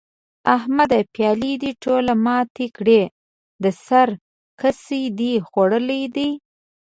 احمده؛ پيالې دې ټولې ماتې کړې؛ د سر کسي دې خوړلي دي؟!